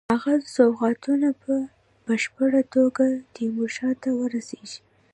هغه سوغاتونه په بشپړه توګه تیمورشاه ته ورسیږي.